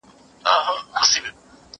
زه مخکي مېوې خوړلې وه؟